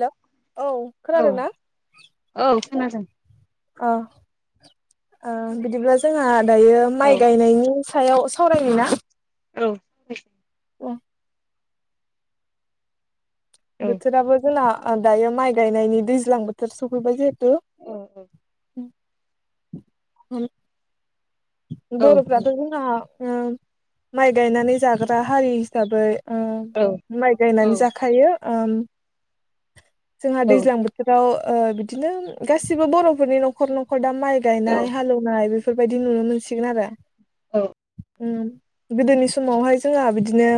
हेल औ औ खोनादों ना? औ खोनादों ओ बिदिब्ला जोंहा दायो औ माइ गायनायनि सायाव सावरायनि ना? औ ओम औ बोथोराबो जोंना ओ दायो माइ गायनायनि दैज्लां बोथोर सफैबाय जे हेतु औ [unintelligible] औ बरफ्राथ जोंहा ओं माइ गायनानै जाग्रा हारि हिसाबै ओ औ माइ गायनानै जाखायो ओम जोंहा दैज्लां बोथोराव ओ बिदिनो गासिबो बरफोरनि नखर नखर खर दा माइ गायनाय हालेवनाय बेफोर बेफोरबायदि नुनो मोन सिगोन आरो। औ। ओम गोदोनि समावहाय जोंहा बिदिनो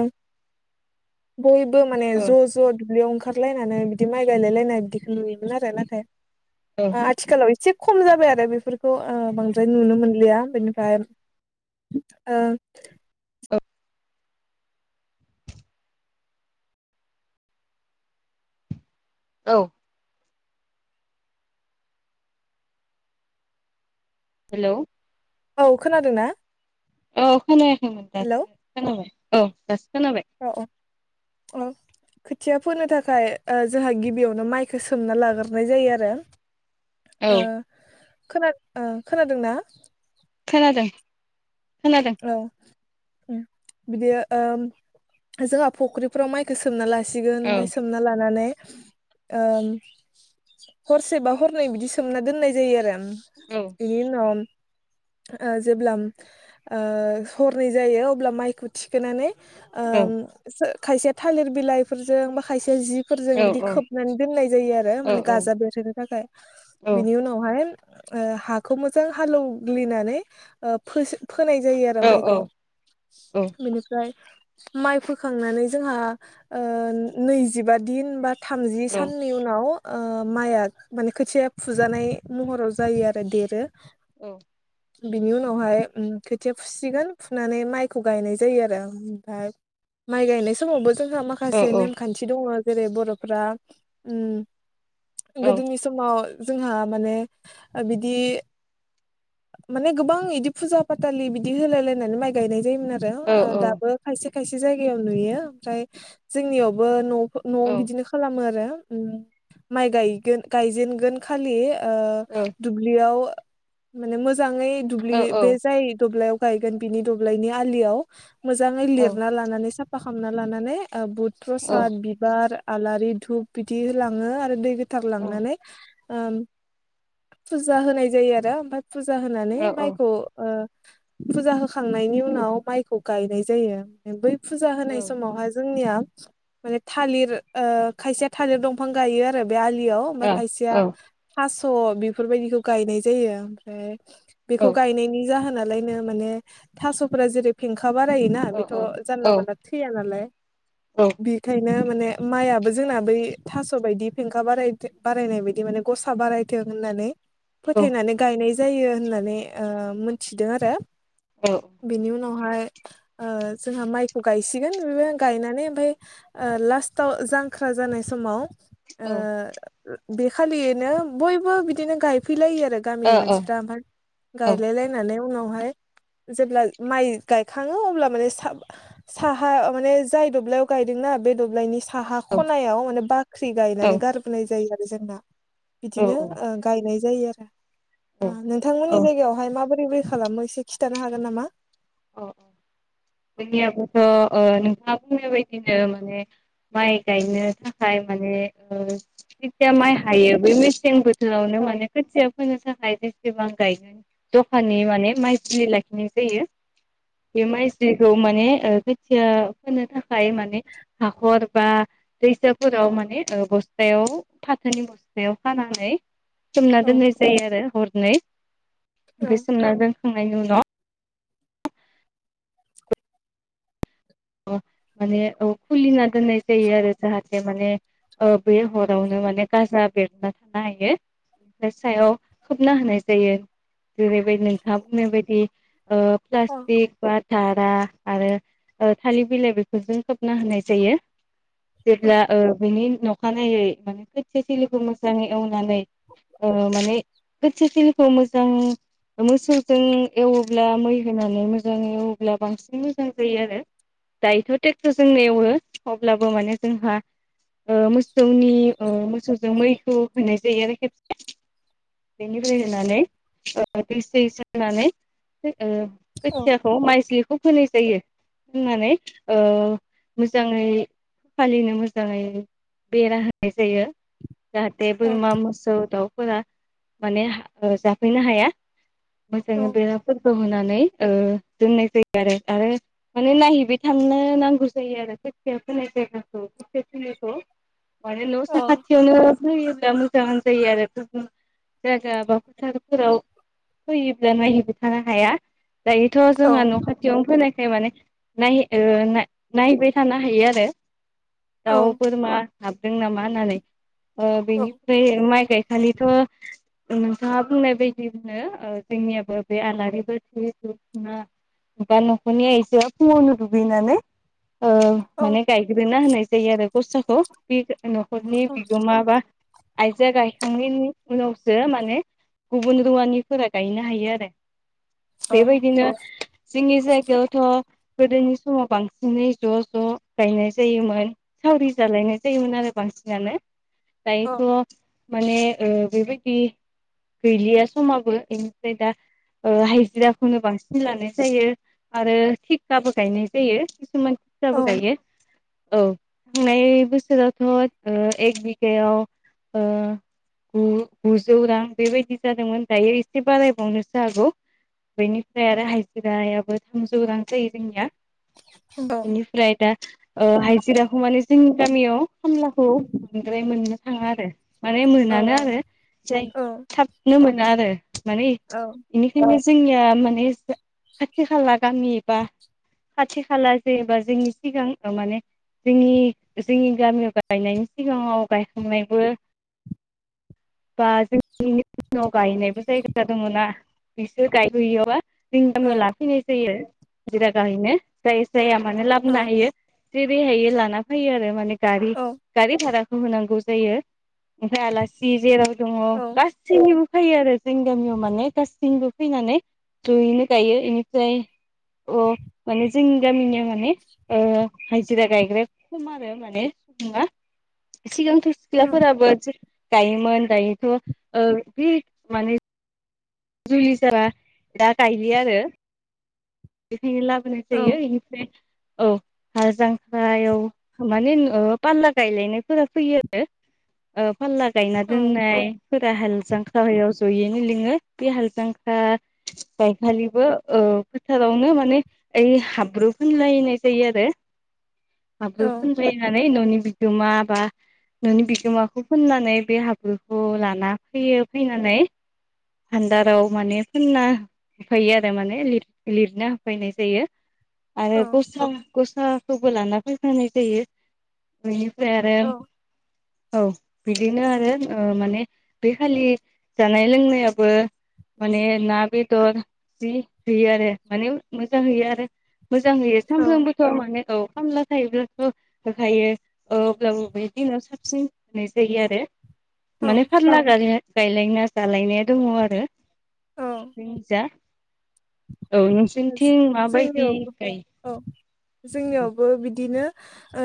बयबो माने औ ज ज दुब्लियाव ओंखार ओंखारलायनानै बिदि माइ गायलायलायनाय बिदिखौ नुयोमोन आरो नाथाय आथिखालाव एसे खम जाबाय आरो बेफोरखौ बांद्राय नुनो मोनलिया बेनि ओमफ्राय ओ औ। औ। हेल'। औ खोनादों ना? औ। खोनायखैमोन दासो खोनाबाय। औ दासो खोनाबाय औ औ। अ खोथिया फोनो थाखाय ओ जोंहा गिबियावनो माइखौ सोमना लाग्रोनाय जायो आरो। औ [inaudible] खोनाद ओ खोनादोंना? खोनादों। खोनादों औ। उम बिदि ओ जोंहा फुख्रिफोराव माइखौ सोमना ला सिगोन औ ओमफाय सोमना लानानै ओ हरसे बा हरनै बिदि सोमना दोननाय जायो आरो। औ बेनि उनाव ओ जेब्ला ओ हरनै जायो अब्ला माइखौ थिखोनानै औ ओम सो खायसे थालिर बिलाइफोरजों बा खायसे जि फोरजों औ बिदि खोबनानै दोननाय जायो आरो औ माने गाजा बेरहोनो थाखाय औ बिनि उनावहाय हाखौ मोजां हालौवग्लिनानै ओ फो नाय जायो आरो औ माइखौ औ बेनिफ्राय माइ फोखांनानै जोंहा ओ नैजिबा दिन बा थामजि साननि उनाव ओ माइआ माने खोथिया फुजानाय महराव जायो आरो देरो। औ। बिनि उनावहाय उम खोथिया फुसिगोन फुनानै माइखौ गायनाय जायो आरो ओमफ्राय माइ गायनाय समावबो जोंहा माखासे नेमखान्थि दङ जेरै बर'फ्रा ओम गोदोनि समाव जोंहा माने बिदि माने गोबां इदि फुजा फाथालि बिदि होलाय लायनानै माइ गायनाय जा योमोन आरो दाबो खायसे खायसे जायगायाव नुयो ओमफ्राय जोंनियावबो न' नवाव बिदिनो खालामो आरो माइ गायगोन गायजेनगोन खालि ओ दुब्लियाव माने मोजां मोजाङै दुब्लि बे जाय दब्लायाव गायगोन बिनि दब्लायनि आलियाव मोजाङै लिरना लानानै साफा खामना लानानै बुद प्रसाद बिबार आलारि धुप बिदि होलाङो आरो दै गो थार लांनानै ओम फुजा होनाय जायो आरो ओमफ्राय फुजा होनानै माइखौ ओ फुजा होखांनायनि उनाव माइखौ गायनाय जायो बै- फुजा होनाय समावहा जोंनिया माने थालिर ओ खायसेया थालिर दंफां गायो आरो आलियाव ओमफाय खायसेया अ [inaudible] बेफोरबायदिखौ गायनाय जायो ओमफ्राय बेखौ गायनायनि जाहोनालायनो माने थास'फोरा जेरै फेंखा- खा बारायोना बेथ' औ जानला औ मोनला थैया नालाय औ बेखायनो माने माइयाबो जोंना बै थास' बायदि फेंखा बाराय बारायनाय बायदि माने गसा बारायथों होननानै फोथायनानै गायनाय जायो होननानै ओ मोन थिदों आरो औ औ बिनि उन उनावहाय ओ जोंहा माइखौ गायसिगोन बे गायनानै ओमफाय लास्टाव जांख्रा जानाय समाव औ ओ बेखालियैनो बयबो बिदिनो गायफैलायो आरो गामिनि औ मानसिफ्रा ओमफाय गायलायलाय नाय उनावहाय जेब्ला माइ गायखांङो अब्ला माने सा साहा माने जाय दब्लायाव गायदोंना बे दब्लायनि साहा खनायाव माने बाख्रि औ गायनानै गारबोनाय जायो आरो। जोंना। बिदिनो ओ गायनाय जायो आरो। ओ नोंथांमोननि जायगायावहाय माबोरै बोरै खालामो एसे खिथानो हागोन नामा? अ औ जोंनियाबोथ' ओ नों थां बुंनाय बायदिनो माने माइ गायनो थाखाय माने ओ जेथिया माइ हायो बे मेसें बोथोरावनो औ माने खोथिया फोनो थाखाय जेसेबां गायगोन दखाननि माने माइज्लि लाखिनाय जायो बे माइज्लिखौ माने खोथिया फोनो थाखाय माने हाखर बा दैसाफोराव माने बस्थायाव फाथोनि बस्थायाव खानानै सोमना औ दोननाय जायो आरो हर नै औ ओमफाय सोमना दोन खांनायनि उनाव माने खुलिना दोननाय जायो आरो जाहाथे माने ओ बे हरावनो माने गाजा बेरना थानो हायो ओमफ्राय सायाव खोबना होनाय जायो जेरैबायदि नोंथाङा बुंनाय बायदि ओ औ प्लाष्टिक बा दारा आरो थालिर बिलाइ बेफोरजों खोबना होनाय जायो। औ जेब्ला ओ बिनि अखानायै माने खोथिया थिलिखौ मोजाङै एवनानै ओ माने खोथिया थिलिखौ मोजां मोसौजों एवोब्ला मै होनानै मोजाङै एवोब्ला बांसिन मोजां जायो आरो। दायोथ' ट्रेक्टरजों एवो अब्लाबो माने जोंहा ओ मोसौनि ओ मोसौजों मैखौ होनाय जायो आरो खेबसे बेनिफ्राय होननानै दै सै सोननानै ओ औ खोथियाखौ माइज्लिखौ फोनाय जायो। होननानै ओ मोजाङै फालिनो मोजाङै बेरा होनाय जायो। जाहाथे औ बोरमा मोसौ दावफोरा माने जाफैनो हाया। औ मोजाङै बेराफोरखौ होनानै ओ दोननाय जायो आरो आरो माने नायहैबाय थानो नांगौ जायो आरो खोथिया होनाय जायगाखौ थिलिखौ माने औ न' साखाथियावनो होयोब्ला मोजां जायो आरो गुबुन जायगा बा फोथारफोराव फैयोब्ला नायहैबो थानो हाया। दायोथ' जोंहा न' खाथियावनो फोनाय ए माने नाहे ओ नाय-नायबाय थानो हायो आरो। औ दाउ, बोरमा हाबदों नामा होननानै। ओ औ बेनिफ्राय माइ गाय खालिथ' नोंथाङा बुंनाय बायदिनो ओ जोंनियाबो बे आलारि बाथि जा बा न'खरनि आइजोआ फुङावनो दुगैनानै ओ औ माने गायग्रोना होनाय जायो आरो कस्थ'खौ बे न'खरनि बिगोमा बा आइजोआ गायखांनायनि उनावसो माने गुबुन रुवानिफोरा गायनो हायो आरो। बेबायदिनो जोंनि जायगायावथ' गोदोनि समाव बांसिनै ज' ज' गायनाय जायोमोन सावरि जालायनाय जायोमोन आरो बांसिनानो दायोथ' माने ओ बेबायदि गैलिया समाबो इनिफ्राय दा ओ हाइज्राखौनो बांसिन लानाय जायो आरो थि काबो गायनाय जायो किसुमान बो गायो औ थांनाय बोसोरावथ' ओ एक बिगायाव ओ गु-गुजौ रां बेबायदि जादोंमोन दायो एसे बारायबावनोसो हागौ बेनिफ्राय आरो हाज्रायाबो थामजौ रां जायो जोंनिया। इनिफ्राय दा ओ हाइजिराखौ माने जोंनि गामियाव खामलाखौ बांद्राय मोननो थाङा आरो। माने मोनानो आरो जाय थाबनो मो ना आरो। माने इनिखाइनो जोंनिया माने खाथि खाला गामि बा खाथि खाला जेनेबा जोंनि सिगां माने जोंनि जोंनि गामियाव गायनायनि सिगाङाव गायखांनायबो बा जोंनि [inaudible] गायनायबो जायगा दङना बिसोर गायहैयोबा जोंनि गामियाव लाफैनाय जायो आरो। हाजिरा गायहैनो जाय जाया मानो लाबना होयो जेरैहायो लाना फैयो आरो माने गारि औ गारि भारा होनांगौ जायो। ओमफाय आलासि जेराव दङ औ गासै [unintelligible] फायो आरो जोंनि गामियाव माने गासैनिबो फैनानै जयैनो गायो एनिफ्राय अ माने जोंनि गामिनि मा माने ओ हा जिरा गायग्राया खम आरो माने सुबुङा सिगांथ' सिख्लाफोराबो गायो। मोन। दायोथ' ओ बि माने जुलि जाबा दा गायलिया आरो। फाय लाबोनाय जायो इनिफ्राय औ हालजांख्रायाव माने ओ पाल्ला गायलायनायफोरा फैयो आरो। पाल्ला गायना दोननायफोरा हाल जांख्रायाव ज' जयैनो लिङो। बे हालजांख्रा गायखालिबो ओ फोथारावनो माने ओइ हाब्रु फोनलायनाय जायो आरो। हाबो फोनलायनानै न'नि बिगोमा बा न'नि बिगोमाखौ फोननानै बे हाब्रुखौ लाना फैयो फैनानै भान्दाराव माने फोनना होफायो आरो माने लिर लिरना होफायनाय जायो आरो गसा गसा खौबो लाना फैफानाय जायो। ओमफ्रायो [unintelligible] औ बिदिनो आरो ओ माने बैखालि जानाय लोंनाया बो माने ना बेदर जि होयो आरो माने मोजां होयो आरो मोजां होयो सानफ्रोमबोथ' मानो औ। खामला थायोब्लाथ' होखायो ओ अब्लाबो बै दिनाव साबसिन होनाय जायो आरो। माने फारला गा गायलाय ना जालायनाया दङ आरो। बै जा औ नोंसिनिथिं माबायदि जोंनियावबो गाय औ जोंनियावबो बिदिनो ओ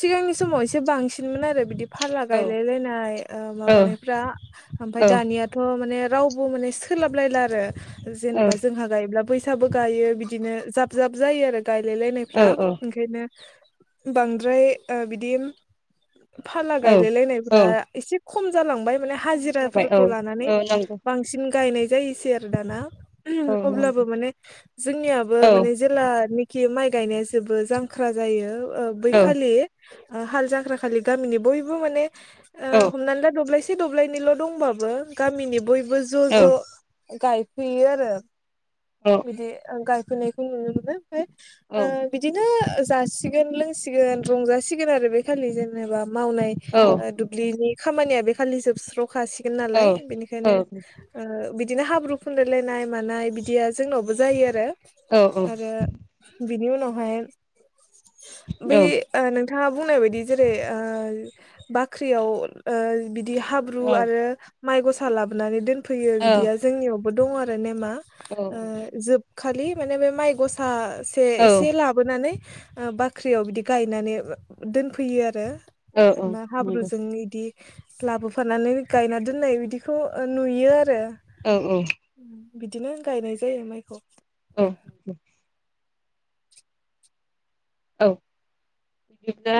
सिगांनि समाव एसे बांसिनमोन आरो। बिदि फाला औ गायलाय लायनाय औ माबानायफ्रा ओमफाय औ दानियाथ' माने रावबो माने सोलाबलायला आरो औ जेनेबा जोंहा गायब्लाब बो गायो बिदिनो जाब जाब जायो आरो। औ गायलायलायनायफ्रा ओंखायनो बांद्राय ओ बिदिम फाला औ औ गायलाय औ लायनायफ्रा एसे ख खम जालांबाय जाबाय औ हाजिराफोरखौ लानानै नंगौ बांसिन गायनाय जायोसै आरो दाना औ अब्लाबो नंगौ माने जोंनियाबो माने औ जेलानि खि माइ गायनाया जोबो जांख्रा जायो। ओ औ बैखालि ओ हाल जांख्रा खालि गामिनि बयबो माने ओ औ हमना ला दब्लायसे से दब्लायनैल दंबाबो गामिनि बयब बो ज' औ ज' गायफैयो आरो औ बिदि ओं गाइ होनायखौ नुनो मोनो। ओ औ ओ बिदिनो जासिगोन लोंसिगोन रंजासिगोन आरो बे खालि जेनेबा मावनाय औ ओ दुब्लिनि खामानिया बे खालि जोबस्र खासिगोन नालाय औ औ बिनिखायनो ओ बि बिदिनो हाब्रु फुनलालायनाय मानाय बिदिया जोंनावबो जायो आरो। औ औ आरो बिनि उनावहाय बै औ ओ नों नोंथाङा बुंनाय बायदि जेरै ओ बाख्रियाव ओ बि बिदि हाब्रु औ आरो माइ गसा लाबोनानै दोन फैयो बिदिया जोंनियाव बो दङ आरो नेमा औ औ खालि माने बे माइ गसा से एसे लाबोनानै बाख्रियाव बिदि गायनानै दोनफैयो आरो औ ना नंगौ हाब्रुजों इदि लाबोफानानै गायना दोननाय बिदिखौ नुयो आरो औ औ बिदिनो गायनाय जायो माइखौ औ औ बिदिनो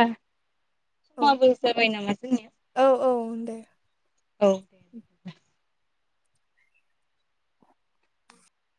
औ समाबो जाबाय नामा जोंनिया औ [inaudible] औ दे